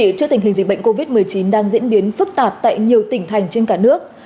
thưa quý vị trước tình hình dịch bệnh covid một mươi chín đang diễn biến phức tạp tại nhiều tỉnh thành trên cả nước